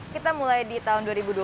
kita mulai di tahun dua ribu dua puluh